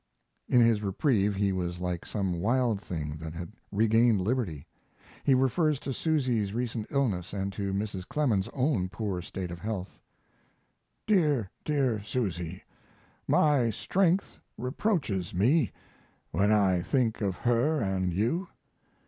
In his reprieve he was like some wild thing that had regained liberty. He refers to Susy's recent illness and to Mrs. Clemens's own poor state of health. Dear, dear Susy! My strength reproaches me when I think of her and you.